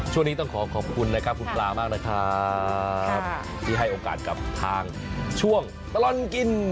ช่วงนี้ต้องขอขอบคุณนะครับคุณปลามากนะครับที่ให้โอกาสกับทางช่วงตลอดกิน